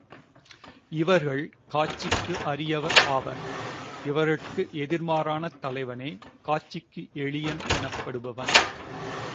இவர்கள் காட்சிக்கு அரியர் ஆவர். இவர்கட்கு எதிர் மாறான தலைவனே காட்சிக்கு எளியன் எனப்படுபவன்.